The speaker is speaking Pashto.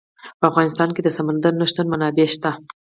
په افغانستان کې د سمندر نه شتون منابع شته.